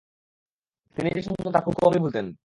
তিনি যা শুনতেন তা খুব কমই ভুলতেন।